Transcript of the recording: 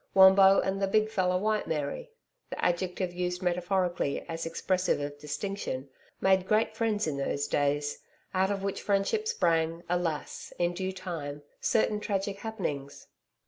Wombo and the 'big feller White Mary' (the adjective used metaphorically as expressive of distinction) made great friends in those days out of which friendship sprang, alas! in due time, certain tragic happenings.